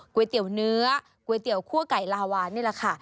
ก๋วยเตี๋ยวเนื้อก๋วยเตี๋ยวคั่วไก่ลาวานนี่แหละค่ะ